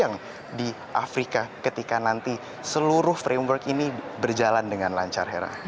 yang di afrika ketika nanti seluruh framework ini berjalan dengan lancar hera